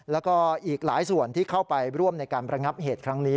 แล้วก็อีกหลายส่วนที่เข้าไปร่วมในการประงับเหตุครั้งนี้